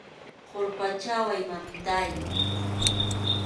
Qurpachaway, mamitáy.